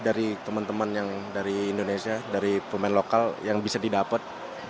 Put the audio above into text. dari teman teman yang dari indonesia dari pemain lokal yang bisa didapat